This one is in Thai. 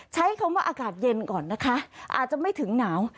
ใช้คำว่าอากาศเย็นก่อนนะคะอาจจะไม่ถึงหนาว